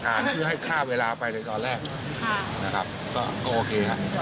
เพื่อให้ค่าเวลาไปในตอนแรกนะครับก็ก็โอเคครับ